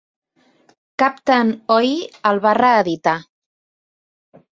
Captain Oi! el va reeditar.